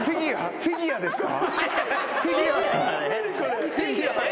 フィギュアですか？